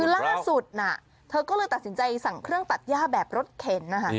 คือล่าสุดเธอก็เลยตัดสินใจสั่งเครื่องตัดย่าแบบรถเข็นนะคะ